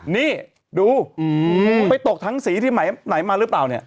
นี่ดูไปตกทั้งสีที่ไหนมาหรือเปล่าเนี่ย